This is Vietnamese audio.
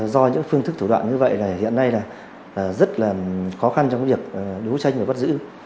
do những phương thức thủ đoạn như vậy là hiện nay là rất là khó khăn trong việc đấu tranh và bắt giữ